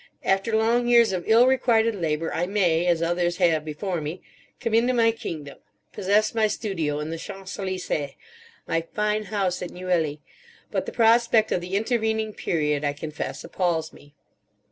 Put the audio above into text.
After long years of ill requited labour I may—as others have before me—come into my kingdom: possess my studio in the Champs Elysées, my fine house at Neuilly; but the prospect of the intervening period, I confess, appals me."